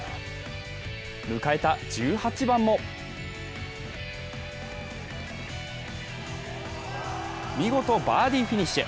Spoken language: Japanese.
迎えた１８番も見事バーディーフィニッシュ。